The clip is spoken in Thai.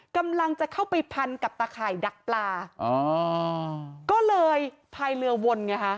กำลังจะเข้าไปพันกับตะข่ายดักปลาอ๋อก็เลยพายเรือวนไงฮะ